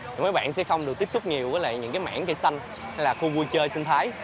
thì mấy bạn sẽ không được tiếp xúc nhiều với lại những cái mảng cây xanh hay là khu vui chơi sinh thái